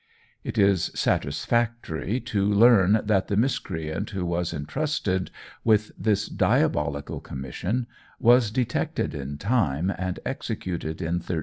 It is satisfactory to learn that the miscreant who was intrusted with this diabolical commission, was detected in time, and executed in 1384.